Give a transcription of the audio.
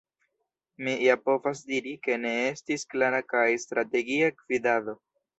“Mi ja povas diri, ke ne estis klara kaj strategia gvidado.